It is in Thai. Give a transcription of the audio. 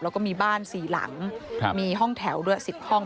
แล้วก็มีบ้าน๔หลังมีห้องแถวด้วย๑๐ห้อง